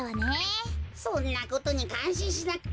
そんなことにかんしんしなくていいってか。